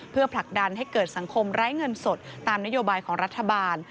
เพื่อผลักดันให้เกิดสังคมไร้เงินสดตามนโยบายของรัฐบาล